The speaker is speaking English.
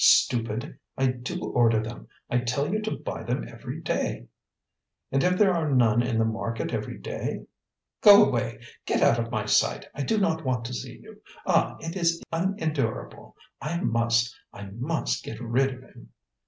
Stupid! I do order them. I tell you to buy them every day." "And if there are none in the market every day?" "Go away! Get out of my sight! I do not want to see you. Ah, it is unendurable! I must I must get rid of him!"